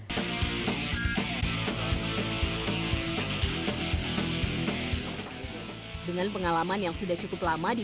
wah jadi ini gak bisa ini kali ini pasti